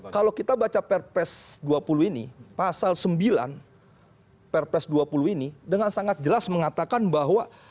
kalau kita baca perpres dua puluh ini pasal sembilan perpres dua puluh ini dengan sangat jelas mengatakan bahwa